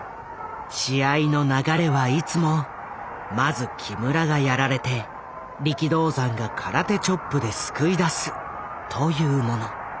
試合の流れはいつもまず木村がやられて力道山が空手チョップで救い出すというもの。